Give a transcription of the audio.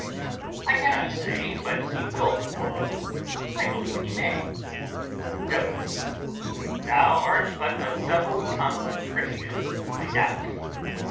I cannot say but he will perform it; I believe he may. W. Thou art but a double tongued Christian, I doubt.